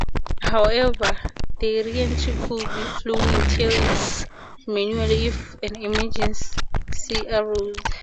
However, the re-entry could be flown entirely manually if an emergency arose.